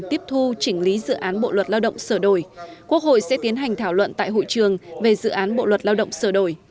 tiếp thu chỉnh lý dự án bộ luật lao động sửa đổi quốc hội sẽ tiến hành thảo luận tại hội trường về dự án bộ luật lao động sửa đổi